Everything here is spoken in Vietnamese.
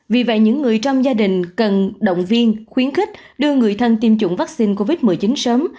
vì vậy những người trong gia đình cần động viên khuyến khích đưa người thân tiêm chủng vaccine covid một mươi chín sớm